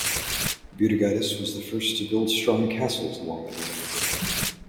Butigeidis was the first to build strong castles along the Neman River.